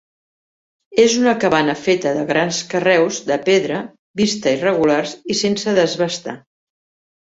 És una cabana feta de grans carreus de pedra vista irregulars i sense desbastar.